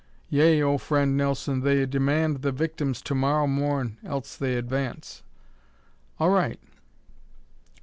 "Yea, oh Friend Nelson, they demand the victims to morrow morn, else they advance." "All right."